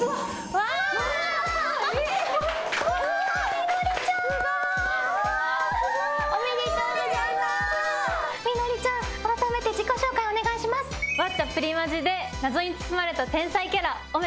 『ワッチャプリマジ！』で謎に包まれた天才キャラ御芽